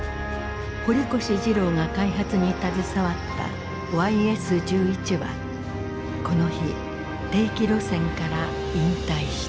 堀越二郎が開発に携わったＹＳ−１１はこの日定期路線から引退した。